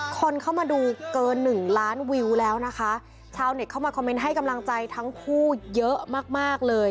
คนเข้ามาดูเกินหนึ่งล้านวิวแล้วนะคะชาวเน็ตเข้ามาคอมเมนต์ให้กำลังใจทั้งคู่เยอะมากมากเลย